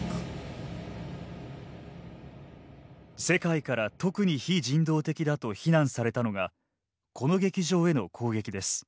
世界から特に非人道的だと非難されたのがこの劇場への攻撃です。